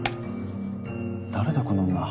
誰だこの女。